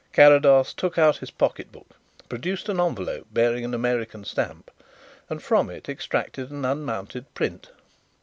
Carrados took out his pocket book, produced an envelope bearing an American stamp, and from it extracted an unmounted print.